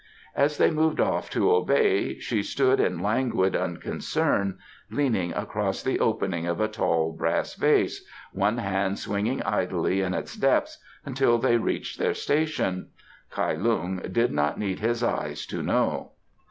As they moved off to obey she stood in languid unconcern, leaning across the opening of a tall brass vase, one hand swinging idly in its depths, until they reached their station. Kai Lung did not need his eyes to know.